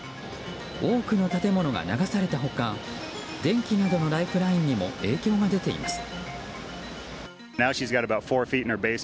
多くの建物が流された他電気などのライフラインにも影響が出ています。